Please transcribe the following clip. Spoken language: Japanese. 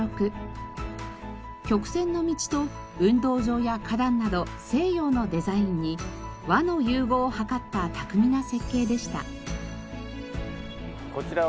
曲線の道と運動場や花壇など西洋のデザインに和の融合を図った巧みな設計でした。